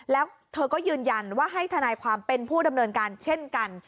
แล้วเธอก็ยืนยันว่าให้ทนายความเป็นผู้ดำเนินการเช่นกัน